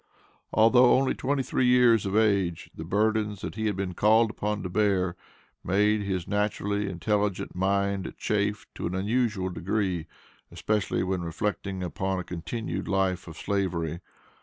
Although only twenty three years of age, the burdens that he had been called upon to bear, made his naturally intelligent mind chafe to an unusual degree, especially when reflecting upon a continued life of Slavery.